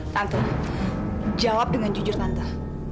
tante jawab dengan jujur pantuh